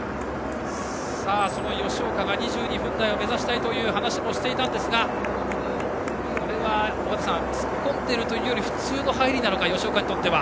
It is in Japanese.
吉岡が２２分台を目指したいという話もしていたんですがこれは尾方さん突っ込んでいるというより普通の入りなのか吉岡にとっては。